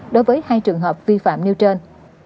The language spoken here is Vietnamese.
đối với hai trường hợp vi phạm nêu trên